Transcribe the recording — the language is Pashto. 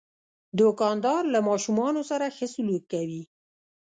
دوکاندار له ماشومان سره ښه سلوک کوي.